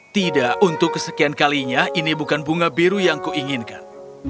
tidak untuk kesekian kalinya ini bukan bunga biru yang kuinginkan